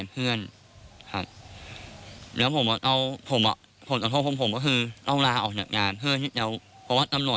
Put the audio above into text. เพราะว่าจำนวจนัดมาใหญ่จียังว่า